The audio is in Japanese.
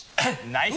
ナイス！